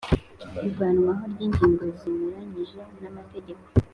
Ivanwaho ryingingo zinyuranyije namategeko